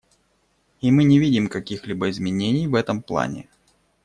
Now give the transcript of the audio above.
И мы не видим каких-либо изменений в этом плане.